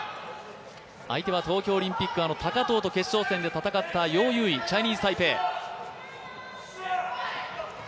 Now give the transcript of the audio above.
相手は東京オリンピックの高藤と戦った楊勇緯、チャイニーズ・タイペイ。